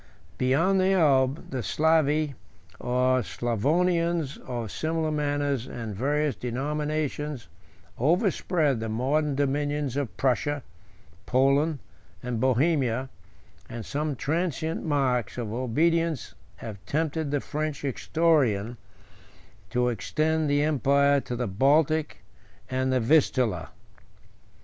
Beyond the Elbe, the Slavi, or Sclavonians, of similar manners and various denominations, overspread the modern dominions of Prussia, Poland, and Bohemia, and some transient marks of obedience have tempted the French historian to extend the empire to the Baltic and the Vistula.